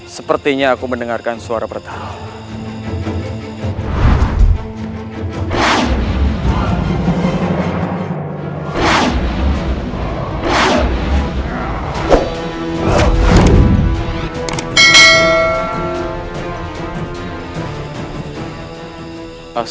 sepertinya aku mendengarkan suara bertahap